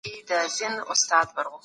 علمي حقايق هيڅکله له منځه نه ځي.